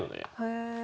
へえ。